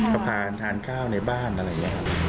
ก็พาทานข้าวในบ้านอะไรอย่างนี้ครับ